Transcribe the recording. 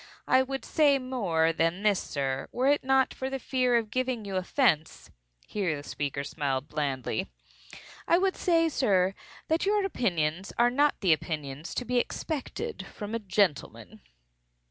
I would say more than this, sir, were it not for the fear of giving you offence (here the speaker smiled blandly), I would say, sir, that your opinions are not the opinions to be expected from a gentleman."